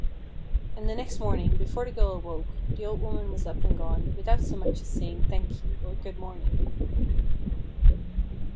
And next morning, before the little girl awoke, the old woman was up and gone, without so much as saying "Thank you," or "Good morning."